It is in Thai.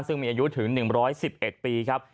ซึ่งมีอายุถึง๑๑๑ปีครับ